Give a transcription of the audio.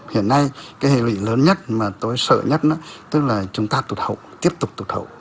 hiện nay cái hệ lụy lớn nhất mà tôi sợ nhất tức là chúng ta tụt hậu tiếp tục tụt hậu